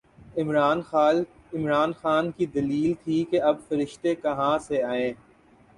عمران خان کی دلیل تھی کہ اب فرشتے کہاں سے آئیں؟